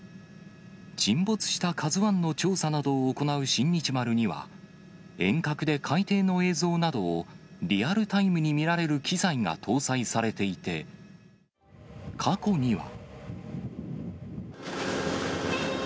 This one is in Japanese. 沈没したカズワンの調査などを行う新日丸には、遠隔で海底の映像などをリアルタイムに見られる機材が搭載されていて、過去には。